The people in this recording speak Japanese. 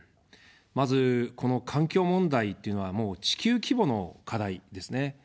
まずこの環境問題というのは、もう地球規模の課題ですね。